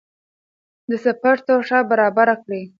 د سفر توښه برابره کړئ.